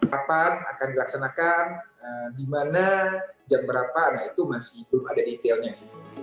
kapan akan dilaksanakan di mana jam berapa nah itu masih belum ada detailnya sih